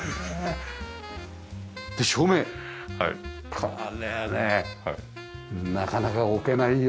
これはねなかなか置けないよ。